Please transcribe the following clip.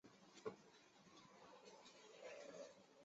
单蕊拂子茅为禾本科拂子茅属下的一个种。